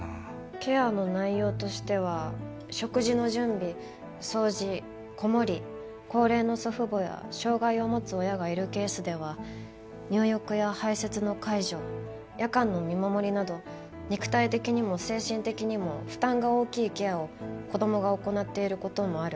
「ケアの内容としては食事の準備掃除子守」「高齢の祖父母や障害を持つ親がいるケースでは入浴や排せつの介助夜間の見守りなど肉体的にも精神的にも負担が大きいケアを子どもが行っている事もある」